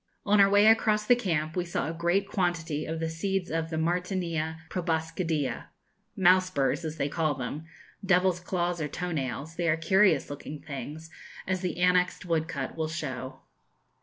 On our way across the camp we saw a great quantity of the seeds of the Martynia proboscidea, mouse burrs as they call them, devil's claws or toe nails: they are curious looking things, as the annexed woodcut will show.